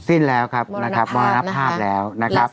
สิ้นแล้วครับมรณภาพแล้ว